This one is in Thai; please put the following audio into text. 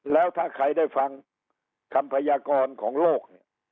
แล้วถ้าใครได้ฟังคำพยากรของโลกเนี่ย